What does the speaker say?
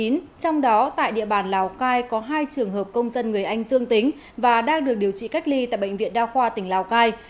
trong đó tại địa bàn lào cai có hai trường hợp công dân người anh dương tính và đang được điều trị cách ly tại bệnh viện đa khoa tỉnh lào cai